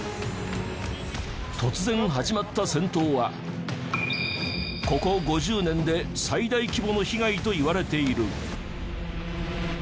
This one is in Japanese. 突然、始まった戦闘はここ５０年で最大規模の被害といわれている。